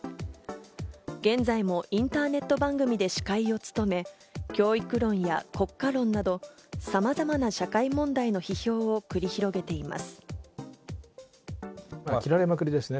現在もインターネット番組で司会を務め、教育論や国家論など、さまざまな社会問題の批評を繰り広げています。